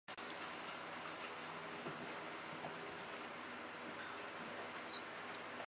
为会员。